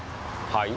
はい？